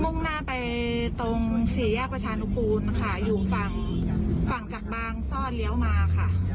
มุ่งหน้าไปตรงสี่แยกประชานุกูลค่ะอยู่ฝั่งฝั่งจากบางซ่อนเลี้ยวมาค่ะ